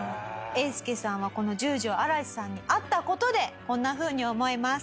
えーすけさんはこの十条嵐さんに会った事でこんなふうに思います。